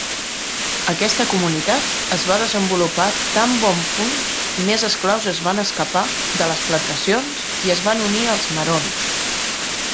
Aquesta comunitat es va desenvolupar tan bon punt més esclaus es van escapar de les plantacions i es van unir als Maroons.